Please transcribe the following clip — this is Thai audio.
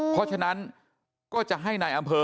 เพราะฉะนั้นก็จะให้นายอำเภอ